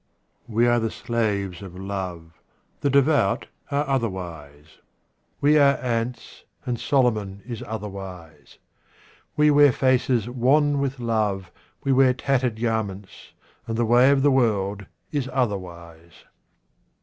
We are the slaves of love. The devout are otherwise. We are ants, and Solomon is other wise. We wear faces wan with love, we wear tattered garments, and the way of the world is otherwise.